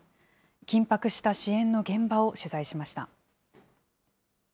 緊迫した支援の現場を取材しました。